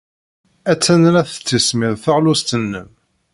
Attan la tettismiḍ teɣlust-nnem.